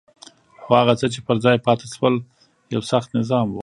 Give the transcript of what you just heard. خو هغه څه چې پر ځای پاتې شول یو سخت نظام وو.